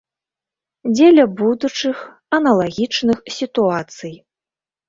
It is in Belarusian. Дзеля будучых аналагічных сітуацый.